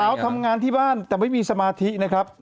ทำงานที่บ้านแต่ไม่มีสมาธินะครับ